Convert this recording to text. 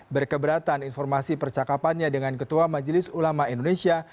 berkeberatan informasi percakapannya dengan ketua majelis ulama indonesia